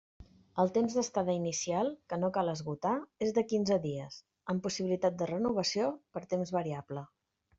El temps d'estada inicial, que no cal esgotar, és de quinze dies, amb possibilitat de renovació per temps variable.